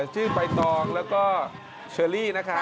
ชื่อใบตองแล้วก็เชอรี่นะคะ